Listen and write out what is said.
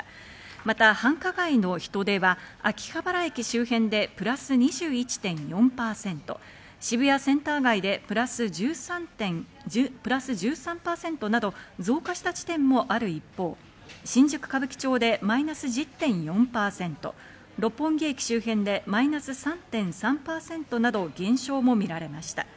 また、繁華街では秋葉原駅周辺でプラス２１．４％、渋谷センター街でプラス１３％など増加した地点もある一方、新宿・歌舞伎町でマイナス１０．４％、六本木駅周辺でマイナス３．３％などの減少も見られました。